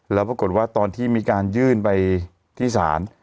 แล้วปรากฏว่าตอนที่มีการยื่นไปที่ศาล